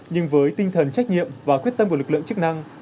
nhưng với tinh thần trách nhiệm và quyết tâm của lực lượng chức năng